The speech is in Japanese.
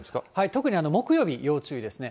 特に木曜日、要注意ですね。